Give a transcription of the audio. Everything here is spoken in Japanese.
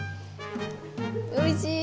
おいしい。